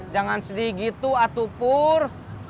jangan sedih gitu atupur